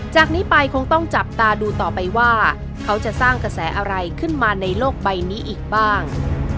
จากนี้ไปคงต้องจับตาดูต่อไปว่าเขาจะสร้างกระแสอะไรขึ้นมาในโลกใบนี้อีกบ้าง